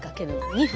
２分。